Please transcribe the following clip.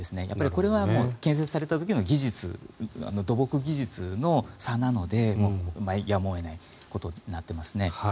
これは建設された時の土木技術の差なのでやむを得ないことになっていますね。